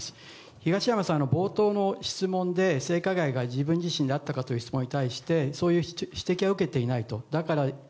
東山さん、冒頭の質問で性加害が自分自身にあったかという質問に対してそういう指摘は受けていないと。